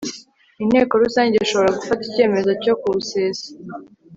inteko rusange ishobora gufata icyemezo cyo kuwusesa